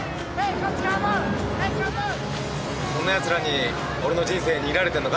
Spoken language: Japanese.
こんなヤツらに俺の人生握られてんのか。